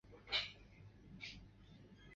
刚毛山柳菊是菊科山柳菊属的植物。